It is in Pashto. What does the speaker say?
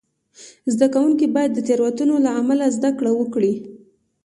زده کوونکي باید د تېروتنې له امله زده کړه وکړي.